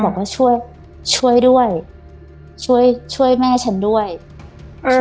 บอกว่าช่วยช่วยด้วยช่วยช่วยแม่ฉันด้วยเออ